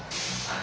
あ！